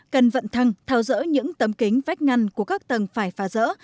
cần vận thăng tháo rỡ những tấm kính vách ngăn của các tầng phải phá rỡ